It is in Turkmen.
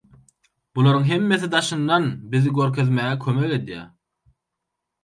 Bularyň hemmesi daşyndan bizi görkezmäge kömek edýär.